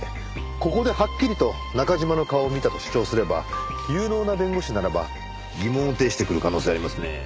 ここではっきりと中嶋の顔を見たと主張すれば有能な弁護士ならば疑問を呈してくる可能性ありますねえ。